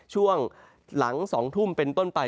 ช่วงหลัง๒ทุ่มเป็นต้นไป